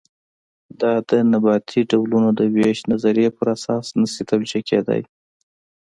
دا د نباتي ډولونو د وېش نظریې پر اساس نه شي توجیه کېدلی.